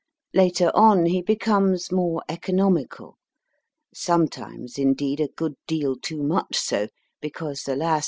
Later on, he becomes more economical (sometimes, indeed, a good deal too much so, because, alas